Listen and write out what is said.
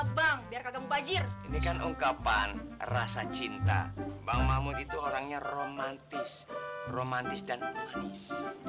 bang biar kamu cadeer ini kan ungkapan rasa cinta banget itu orangnya romantis romantis dan manis